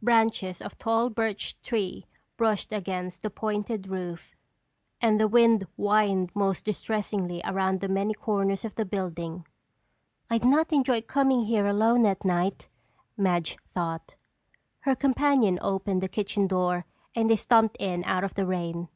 Branches of a tall birch tree brushed against the pointed roof and the wind whined most distressingly around the many corners of the building. "I'd not enjoy coming here alone at night," Madge thought. Her companion opened the kitchen door and they stomped in out of the rain.